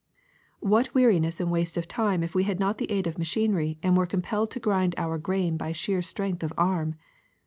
*^What weariness and waste of time if we had not the aid of machinery and were compelled to grind our grain by sheer strength of arm